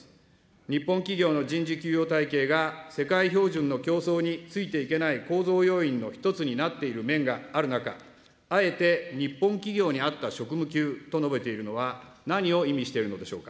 日本企業の人事給与体系が世界標準の競争についていけない構造要因の一つになっている面がある中、あえて日本企業に合った職務給と述べているのは、何を意味しているのでしょうか。